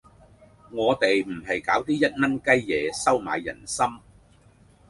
我哋唔搞啲一蚊雞嘢收買人心